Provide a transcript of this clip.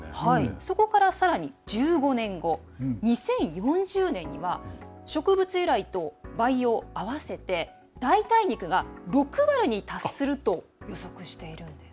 そこから、さらに１５年後の２０４０年には植物由来と培養合わせて代替肉が６割に達すると予測しているんです。